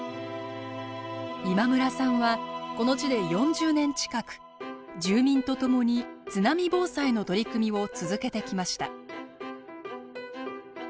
今村さんはこの地で４０年近く住民と共に津波防災の取り組みを続けてきました。